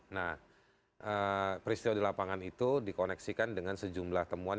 nah peristiwa di lapangan itu dikoneksikan dengan sejumlah temuan